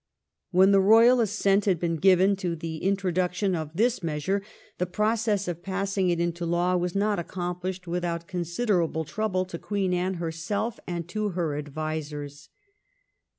When the Eoyal assent had been given to the in troduction of this measure the process of passing it into law was not accomplished without con siderable trouble to Queen Anne herself and to her advisers.